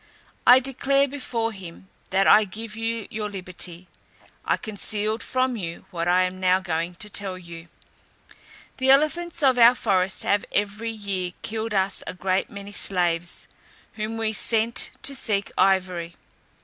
I declare before him, that I give you your liberty. I concealed from you what I am now going to tell you. "The elephants of our forest have every year killed us a great many slaves, whom we sent to seek ivory.